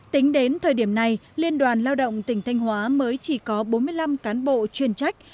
tính đến thời điểm này liên đoàn lao động tỉnh thanh hóa mới chỉ có bốn mươi năm cán bộ chuyên trách